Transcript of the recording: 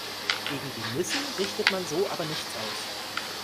Gegen die Nissen richtet man so aber nichts aus.